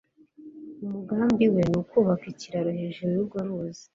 Umugambi we ni ukubaka ikiraro hejuru yurwo ruzi.